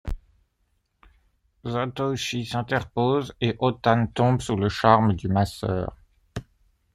Zatoichi s'interpose et Otane tombe sous le charme du masseur.